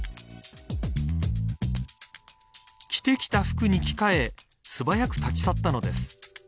着てきた服に着替え素早く立ち去ったのです。